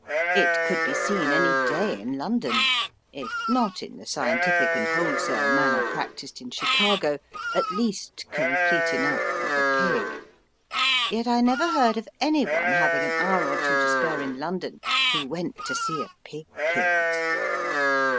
It could be seen any day in London, if not in the scientific and wholesale manner practised in Chicago, at least complete enough for the pig. Yet I never heard of any one having an hour or two to spare in London who went to see a pig killed.